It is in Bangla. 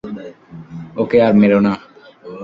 ওকে আর মেরো না!